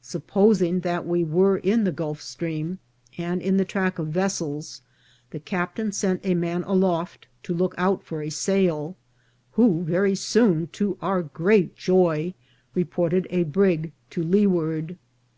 Supposing that we were in the Gulf Stream and in the track of vessels, the captain sent a man aloft to look out for a sail, who very soon, to our great joy, reported a brig to leeward.